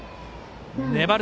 粘る